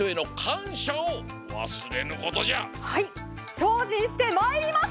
しょうじんしてまいります！